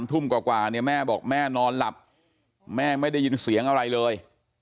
ทุ่มกว่าเนี่ยแม่บอกแม่นอนหลับแม่ไม่ได้ยินเสียงอะไรเลย